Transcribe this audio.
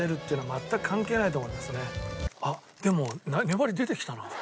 あっでも粘り出てきたな。